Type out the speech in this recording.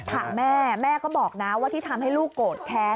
ถามแม่แม่ก็บอกนะว่าที่ทำให้ลูกโกรธแค้น